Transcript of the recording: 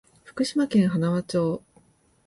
福島県塙町